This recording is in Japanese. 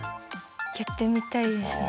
やってみたいですね。